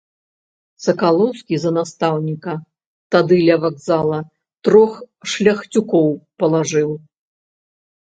Сакалоўскі за настаўніка тады ля вакзала трох шляхцюкоў палажыў.